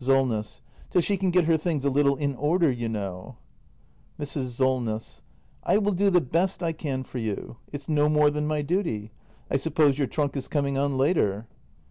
Solness. Till she can get her things a little in order, you know. Mrs. Solness. I will do the best I can for you. It's no more than my duty. I suppose your trunk is coming on later